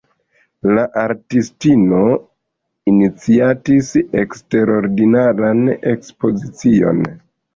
La artistino iniciatis eksterordinaran ekspozicion.